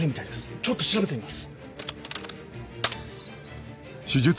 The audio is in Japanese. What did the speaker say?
ちょっと調べてみます。